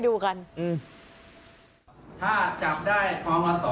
เอ้าน้ำมา